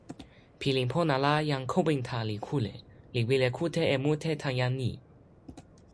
pilin pona la jan Kowinta li kute, li wile kute e mute tan jan ni.